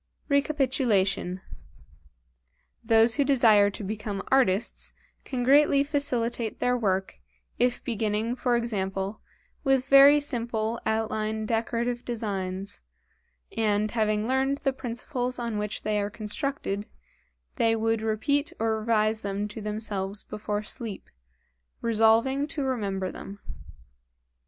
Recapitulation. Those who desire to become artists, can greatly facilitate their work, if beginning for example with very simple outline decorative designs, and having learned the principles on which they are constructed, they would repeat or revise them to themselves before sleep, resolving to remember them.